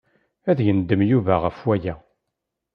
Ad yendem Yuba ɣef waya.